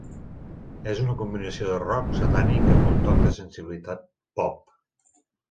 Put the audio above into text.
És una combinació de rock satànic amb un toc de sensibilitat pop.